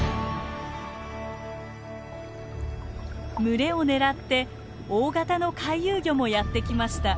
群れを狙って大型の回遊魚もやってきました。